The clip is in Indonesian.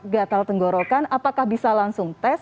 gatal tenggorokan apakah bisa langsung tes